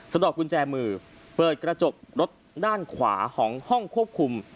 ดอกกุญแจมือเปิดกระจกรถด้านขวาของห้องควบคุม